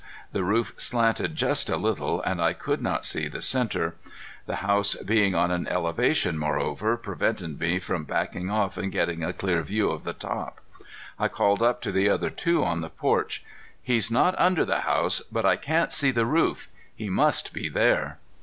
The roof slanted just a little and I could not see the center. The house being on an elevation, moreover, prevented me from backing off and getting a clear view of the top. I called up to the other two on the porch. "He's not under the house, but I can't see the roof. He must be there."